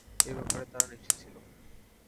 এ ব্যাপারে তারা নিশ্চিত ছিল।